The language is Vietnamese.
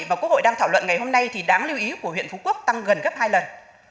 và quốc hội đang thảo luận ngày hôm nay thì đáng lưu ý của huyện phú quốc tăng gần gấp hai lần